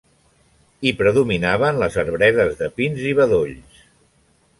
Hi predominaven les arbredes de pins i bedolls.